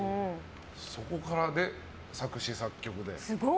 そこから作詞・作曲で。